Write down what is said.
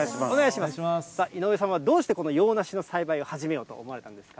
さあ、井上さんはどうしてこの洋梨の栽培を始めようと思われたんですか？